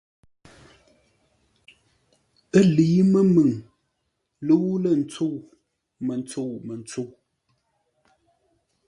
Ə́ lə̌i mbə́ məŋ lə́u-lə̂-ntsəu, mə́ntsə́u-mə́ntsə́u.